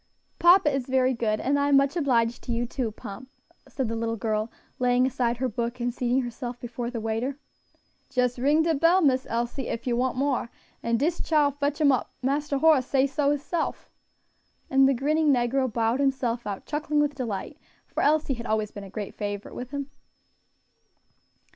"Papa is very good; and I am much obliged to you too, Pomp," said the little girl, laying aside her book, and seating herself before the waiter. "Jes ring de bell, Miss Elsie, ef you want more, and dis chile fotch 'em up; Marster Horace say so hisself." And the grinning negro bowed himself out, chuckling with delight, for Elsie had always been a great favorite with him.